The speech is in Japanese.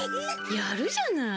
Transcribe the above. やるじゃない。